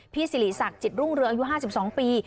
สิริศักดิ์จิตรุ่งเรืองอายุ๕๒ปี